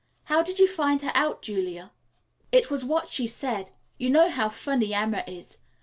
How did you find her out, Julia?" "It was what she said. You know how funny Emma is.